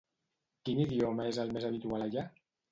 Quin idioma és el més habitual allà?